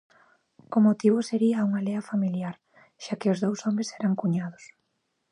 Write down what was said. O motivo sería unha lea familiar, xa que os dous homes eran cuñados.